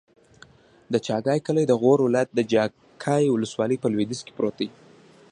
د چاګای کلی د غور ولایت، چاګای ولسوالي په لویدیځ کې پروت دی.